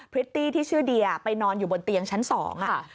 พริตตี้ที่ชื่อเดียไปนอนอยู่บนเตียงชั้นสองอ่ะ